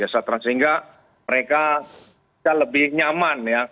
sehingga mereka lebih nyaman ya